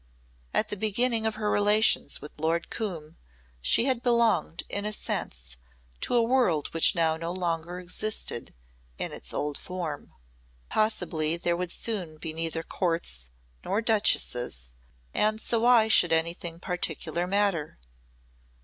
At the beginning of her relations with Lord Coombe she had belonged in a sense to a world which now no longer existed in its old form. Possibly there would soon be neither courts nor duchesses and so why should anything particularly matter?